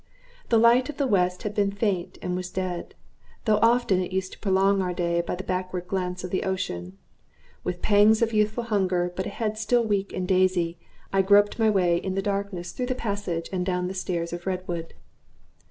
The light of the west had been faint, and was dead; though often it used to prolong our day by the backward glance of the ocean. With pangs of youthful hunger, but a head still weak and dazy, I groped my way in the dark through the passage and down the stairs of redwood.